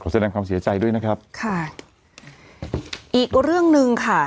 แสดงความเสียใจด้วยนะครับค่ะอีกเรื่องหนึ่งค่ะ